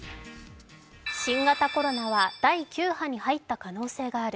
新型コロナは第９波に入った可能性がある。